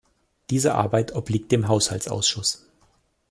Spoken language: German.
Diese Arbeit obliegt dem Haushaltsausschuss.